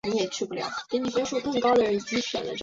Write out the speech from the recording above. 林福喜为中国清朝武官。